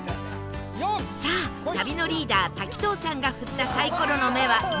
さあ旅のリーダー滝藤さんが振ったサイコロの目は「２」